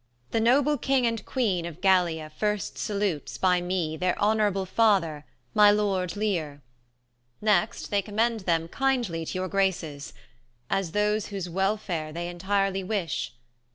Amb. The noble king and queen of Gallia first salutes, 20 By me, their honourable father, my lord Leir : Next, they commend them kindly to your graces, As those whose welfare they entirely wish.